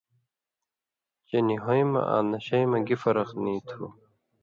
چے ”نی ہُوئیں مہ آں نشَیں مہ“ گی فرق نیں تُھو۔